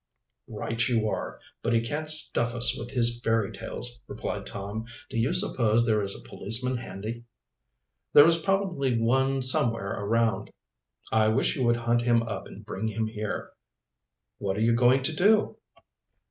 "Right you are, but he can't stuff us with his fairy tales," replied Tom. "Do you suppose there is a policeman handy?" "There is probably one somewhere around." "I wish you would hunt him up and bring him here." "What are you going to do?"